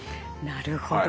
なるほど。